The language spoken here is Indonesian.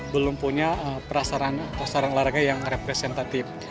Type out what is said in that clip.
belum punya prasarana atau sarang larangnya yang representatif